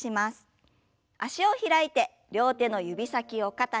脚を開いて両手の指先を肩に。